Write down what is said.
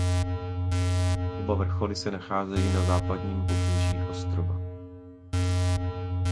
Oba vrcholy se nacházejí na západním pobřeží ostrova.